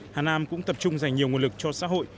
hà nam cũng tập trung dành nhiều nguồn lực cho xã hội